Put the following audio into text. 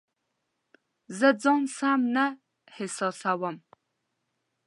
زه ځان سم نه احساسوم